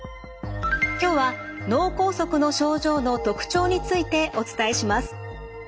今日は脳梗塞の症状の特徴についてお伝えします。